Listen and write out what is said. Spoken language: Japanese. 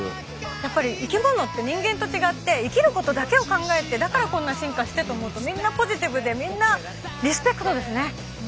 やっぱり生きものって人間と違って生きることだけを考えてだからこんな進化してと思うとみんなポジティブでみんなリスペクトですね。